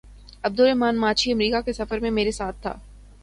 عبدالرحمٰن ماچھی امریکہ کے سفر میں میرے ساتھ تھا۔